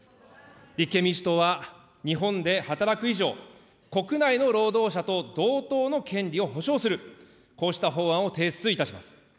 立憲民主党は、日本で働く以上、国内の労働者と同等の権利を保障する、こうした法案を提出いたします。